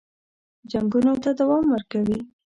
جنګونو ته دوام ورکوي.